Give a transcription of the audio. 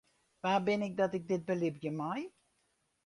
Wa bin ik dat ik dit belibje mei?